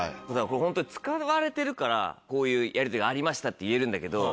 ホントに使われてるからこういうやりとりありましたって言えるんだけど。